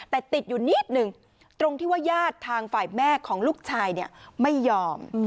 แต่ติดอยู่นิดนึงตรงที่ว่าญาติทางฝ่ายแม่ของลูกชายไม่ยอม